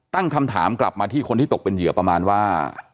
ตั้งคำถามกลับมาที่คนที่ตกเป็นเหยื่อประมาณว่า